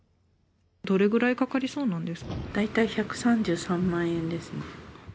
どれぐらいかかりそうなんで大体１３３万円ですね。